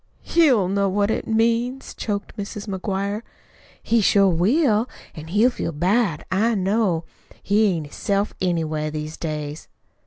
"HE'LL know what it means," choked Mrs. McGuire. "He sure will an' he'll feel bad. I know that. He ain't hisself, anyway, these days."